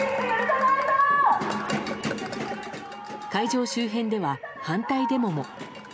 会場周辺では反対デモも。